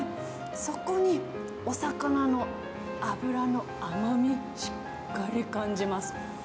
そこにお魚の脂の甘み、しっかり感じます。